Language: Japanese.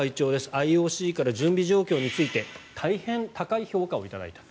ＩＯＣから準備状況について大変高い評価を頂いたと。